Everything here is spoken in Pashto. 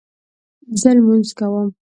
زه لمونځ کوم